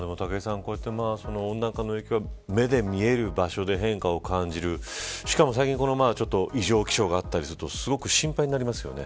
こうやって温暖化の影響が目で見える場所で変化を感じるしかも最近異常気象があったりするとすごく心配になりますよね。